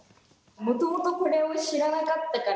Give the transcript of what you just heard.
もともとこれを知らなかったから。